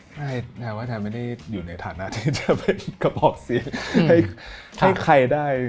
ใช่นายว่าแทนไม่ได้อยู่ในฐานะที่จะเป็นกระบอกเสียงให้ใครได้